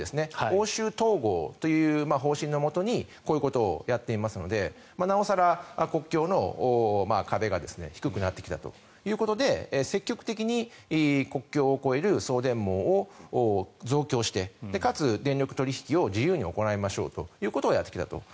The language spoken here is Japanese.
欧州統合という方針のもとにこういうことをやっていますのでなお更、国境の壁が低くなってきたということで積極的に国境を越える送電網を増強してかつ電力取引を自由に行いましょうということをやってきたと。